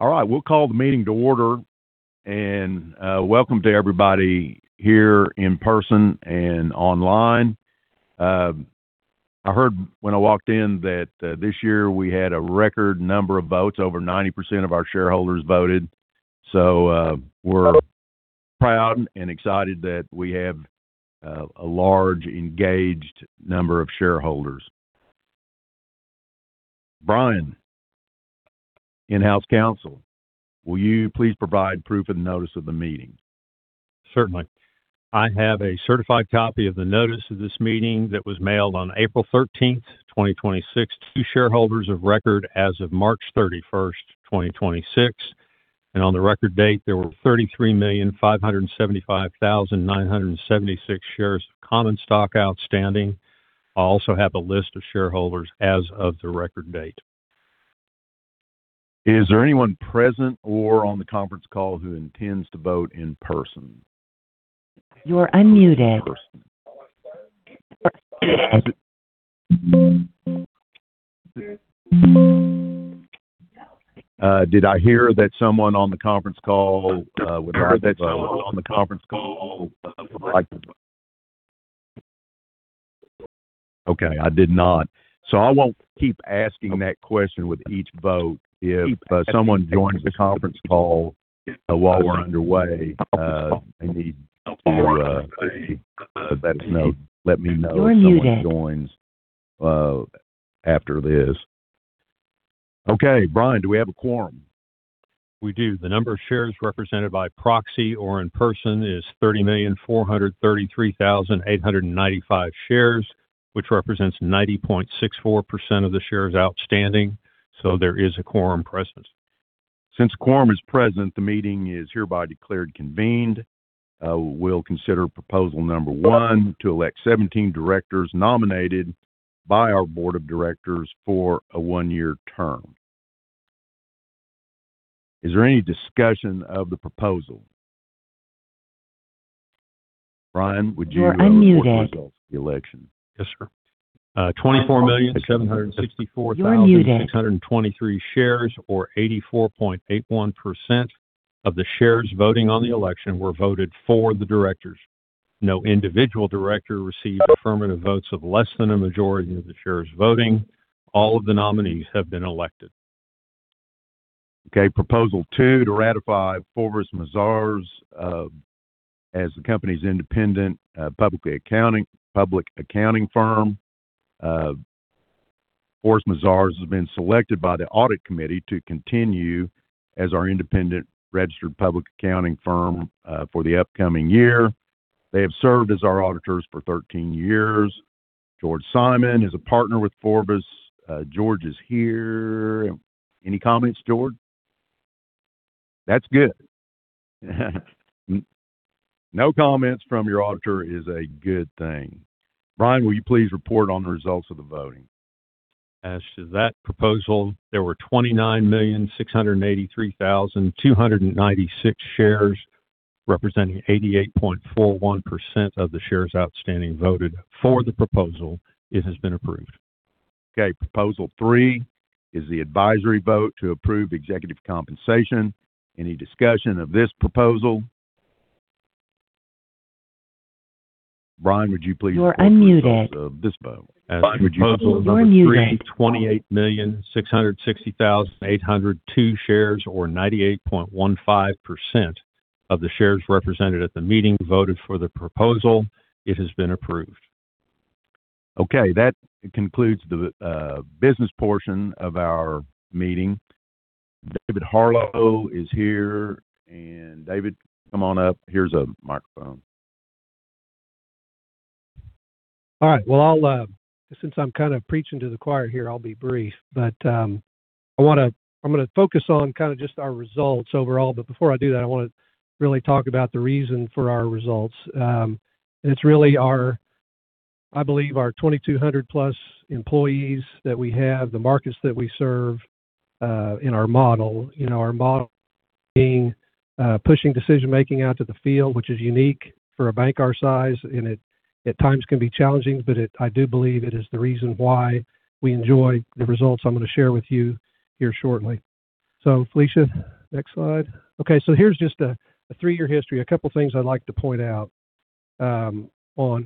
All right, we'll call the meeting to order, and welcome to everybody here in person and online. I heard when I walked in that this year we had a record number of votes. Over 90% of our shareholders voted. We're proud and excited that we have a large, engaged number of shareholders. Brian, in-house counsel, will you please provide proof of the notice of the meeting? Certainly. I have a certified copy of the notice of this meeting that was mailed on April 13th, 2026, to shareholders of record as of March 31st, 2026. On the record date, there were 33,575,976 shares of common stock outstanding. I also have a list of shareholders as of the record date. Is there anyone present or on the conference call who intends to vote in person? Did I hear that someone on the conference call would like to vote? Okay, I did not. I won't keep asking that question with each vote. If someone joins the conference call while we're underway, they need to let me know if someone joins after this. Okay, Brian, do we have a quorum? We do. The number of shares represented by proxy or in person is 30,433,895 shares, which represents 90.64% of the shares outstanding. There is a quorum present. Since a quorum is present, the meeting is hereby declared convened. We'll consider proposal number one to elect 17 directors nominated by our board of directors for a one-year term. Is there any discussion of the proposal? Brian, would you report the results of the election? Yes, sir. 24,764,623 shares, or 84.81% of the shares voting on the election, were voted for the directors. No individual director received affirmative votes of less than a majority of the shares voting. All of the nominees have been elected. Proposal two, to ratify Forvis Mazars as the company's independent public accounting firm. Forvis Mazars has been selected by the audit committee to continue as our independent registered public accounting firm for the upcoming year. They have served as our auditors for 13 years. George Simon is a partner with Forvis. George is here. Any comments, George? That's good. No comments from your auditor is a good thing. Brian, will you please report on the results of the voting? As to that proposal, there were 29,683,296 shares, representing 88.41% of the shares outstanding, voted for the proposal. It has been approved. Okay, proposal three is the advisory vote to approve executive compensation. Any discussion of this proposal? Brian, would you please report the results of this vote? As to proposal number three, 28,660,802 shares, or 98.15%, of the shares represented at the meeting voted for the proposal. It has been approved. Okay. That concludes the business portion of our meeting. David Harlow is here. David, come on up. Here's a microphone. All right. Since I'm kind of preaching to the choir here, I'll be brief. I'm going to focus on just our results overall. Before I do that, I want to really talk about the reason for our results. It's really, I believe, our 2,200 plus employees that we have, the markets that we serve, and our model. Our model being pushing decision-making out to the field, which is unique for a bank our size, and at times can be challenging, but I do believe it is the reason why we enjoy the results I'm going to share with you here shortly. Felicia, next slide. Here's just a three-year history. A couple of things I'd like to point out on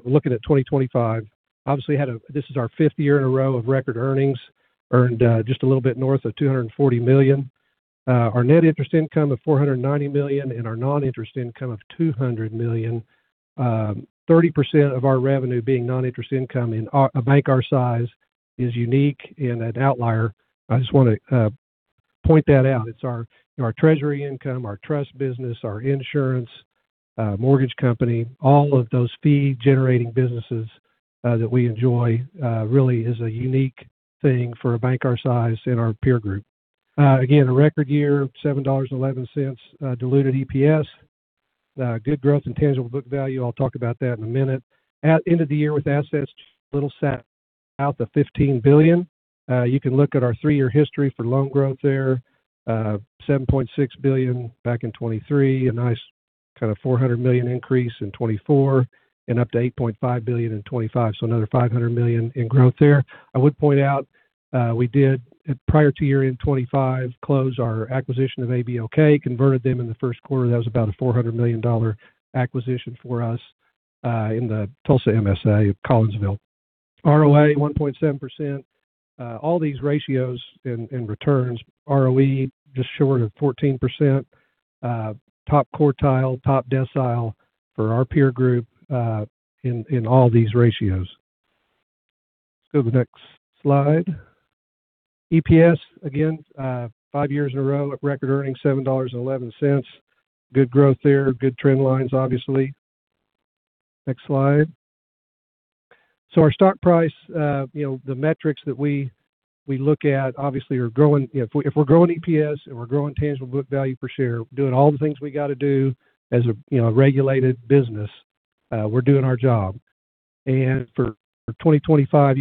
looking at 2025. Obviously, this is our fifth year in a row of record earnings, earned just a little bit north of $240 million. Our net interest income of $490 million and our non-interest income of $200 million. 30% of our revenue being non-interest income in a bank our size is unique and an outlier. I just want to point that out. It's our treasury income, our trust business, our insurance, mortgage company. All of those fee-generating businesses that we enjoy really is a unique thing for a bank our size in our peer group. Again, a record year, $7.11 diluted EPS. Good growth in tangible book value. I'll talk about that in a minute. At end of the year with assets a little south of $15 billion. You can look at our three-year history for loan growth there, $7.6 billion back in 2023, a nice kind of $400 million increase in 2024 and up to $8.5 billion in 2025, so another $500 million in growth there. I would point out, we did, prior to year-end 2025, close our acquisition of ABOK, converted them in the first quarter. That was about a $400 million acquisition for us in the Tulsa MSA of Collinsville. ROA, 1.7%. All these ratios and returns, ROE, just short of 14%, top quartile, top decile for our peer group in all these ratios. Let's go to the next slide. EPS, again, five years in a row of record earnings, $7.11. Good growth there, good trend lines, obviously. Next slide. Our stock price, the metrics that we look at, obviously, if we're growing EPS and we're growing tangible book value per share, we're doing all the things we got to do as a regulated business. We're doing our job. For 2025,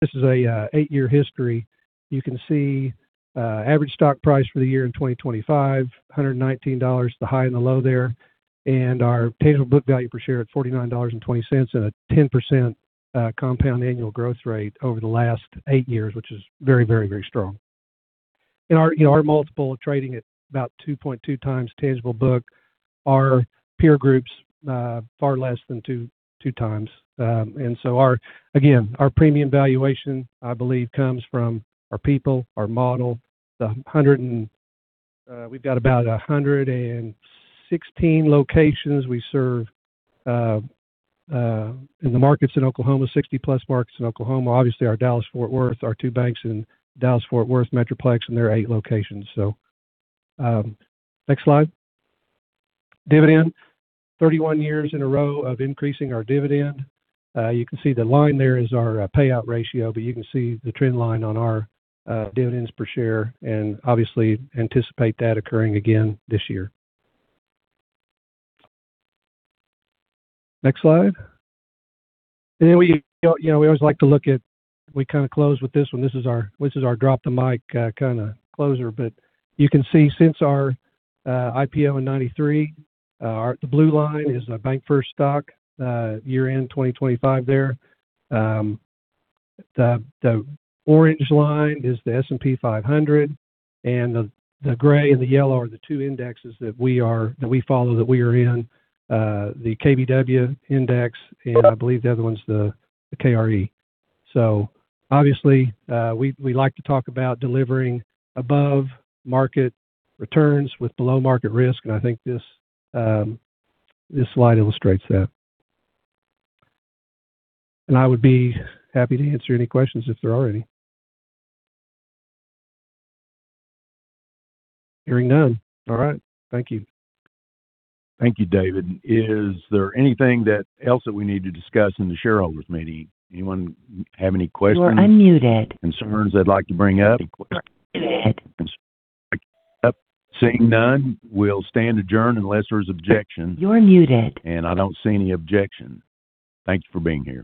this is a eight-year history. You can see average stock price for the year in 2025, $119, the high and the low there. Our tangible book value per share at $49.20, and a 10% compound annual growth rate over the last eight years, which is very strong. Our multiple of trading at about 2.2 times tangible book. Our peer group's far less than two time. Again, our premium valuation, I believe, comes from our people, our model. We've got about 116 locations. We serve in the markets in Oklahoma, 60 plus markets in Oklahoma. Obviously, our Dallas-Fort Worth, our two banks in Dallas-Fort Worth metroplex, and there are eight locations. Next slide. Dividend. 31 years in a row of increasing our dividend. You can see the line there is our payout ratio, but you can see the trend line on our dividends per share, and obviously anticipate that occurring again this year. Next slide. We always like to look at, we kind of close with this one. This is our drop the mic kind of closer. You can see since our IPO in 1993, the blue line is a BancFirst stock, year-end 2025 there. The orange line is the S&P 500, and the gray and the yellow are the two indexes that we follow, that we are in, the KBW index and I believe the other one's the KRE. Obviously, we like to talk about delivering above market returns with below market risk, and I think this slide illustrates that. I would be happy to answer any questions if there are any. Hearing none. All right. Thank you. Thank you, David. Is there anything else that we need to discuss in the shareholders meeting? Anyone have any concerns they'd like to bring up? Seeing none, we'll stand adjourned unless there's objection. I don't see any objection. Thanks for being here.